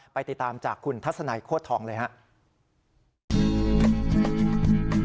ติดตามจากคุณทัศนัยโคตรทองเลยครับ